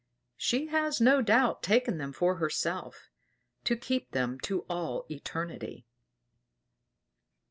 She has no doubt taken them for herself, to keep them to all eternity.